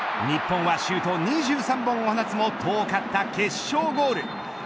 日本はシュート２３本を放つも遠かった決勝ゴール。